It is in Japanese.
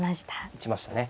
打ちましたね。